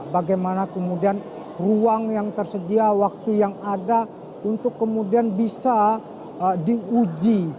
bagaimana kemudian ruang yang tersedia waktu yang ada untuk kemudian bisa diuji